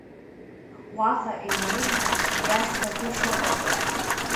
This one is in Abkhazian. Уаҟа инеины иазҳәагәышьодаз…